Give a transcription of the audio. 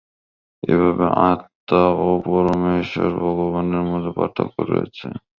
এইভাবে আত্মা ও পরমেশ্বর ভগবানের মধ্যে পার্থক্য রয়েছে।